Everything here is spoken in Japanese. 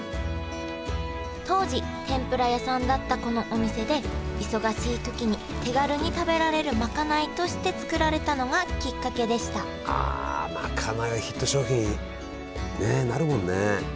当時天ぷら屋さんだったこのお店で忙しいときに手軽に食べられるまかないとして作られたのがきっかけでしたあまかないはヒット商品ねえなるもんね。